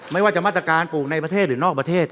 ไม่ว่าจะมาตรการปลูกในประเทศหรือนอกประเทศ